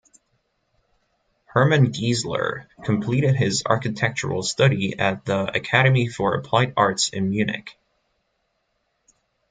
Hermann Giesler completed his architectural study at the Academy for Applied Arts in Munich.